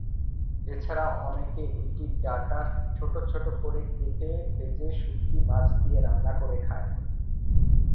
এছাড়া অনেকে এটির ডাটা ছোট ছোট করে কেটে ভেজে শুঁটকি মাছ দিয়ে রান্না করে খায়।